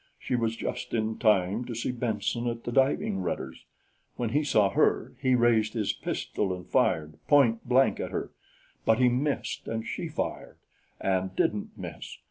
She was just in time to see Benson at the diving rudders. When he saw her, he raised his pistol and fired point blank at her, but he missed and she fired and didn't miss.